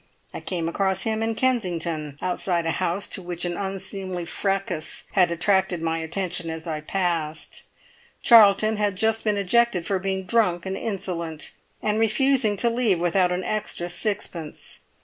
I came across him in Kensington, outside a house to which an unseemly fracas had attracted my attention as I passed. Charlton had just been ejected for being drunk and insolent, and refusing to leave without an extra sixpence.